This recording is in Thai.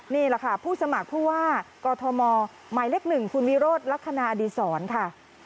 นี่แหละค่ะผู้สมัครผู้ว่ากอทมหมายเลข๑คุณวิโรธลักษณะอดีศรค่ะ